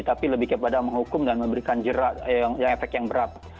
tapi lebih kepada menghukum dan memberikan efek yang berat